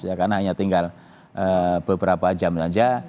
ya karena hanya tinggal beberapa jam saja